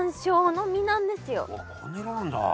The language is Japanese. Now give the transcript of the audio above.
わっこんな色なんだ。